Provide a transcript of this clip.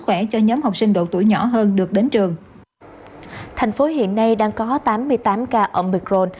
khỏe cho nhóm học sinh độ tuổi nhỏ hơn được đến trường thành phố hiện nay đang có tám mươi tám ca ông bicron